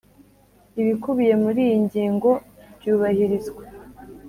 Ibikubiye muri iyi ngingo byubahirizwa